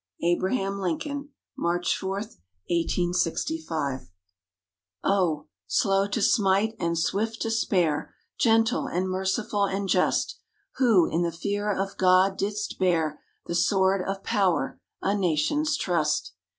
_ ABRAHAM LINCOLN March 4, 1865 _Oh, slow to smite and swift to spare, Gentle and merciful and just! Who, in the fear of God, didst bear The sword of power, a Nation's trust!